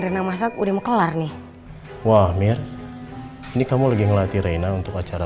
rena masak udah mau kelar nih wah mir ini kamu lagi ngelatih reina untuk acara